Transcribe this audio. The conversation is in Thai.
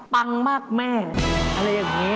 ปังมากแม่อะไรอย่างนี้